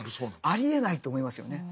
ありえないと思いますよね。